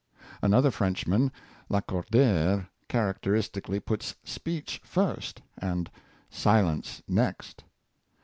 Another Frenchman, Lacordaire, character istically puts speech first, and silence next.